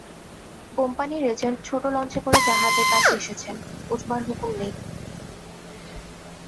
কোম্পানীর এজেণ্ট ছোট লঞ্চে করে জাহাজের কাছে এসেছেন, ওঠবার হুকুম নেই।